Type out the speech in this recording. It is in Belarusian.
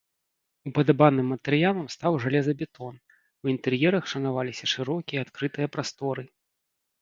Упадабаным матэрыялам стаў жалезабетон, у інтэр'ерах шанаваліся шырокія адкрытыя прасторы.